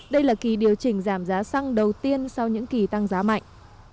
đây là kỳ điều chỉnh giảm giá xăng đầu tiên sau những kỳ tăng giá mạnh